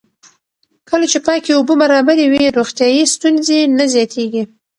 کله چې پاکې اوبه برابرې وي، روغتیایي ستونزې نه زیاتېږي.